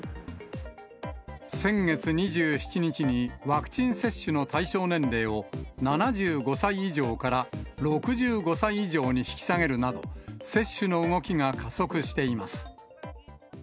先月２７日にワクチン接種の対象年齢を７５歳以上から６５歳以上に引き下げるなど、接種の動きが加速しています。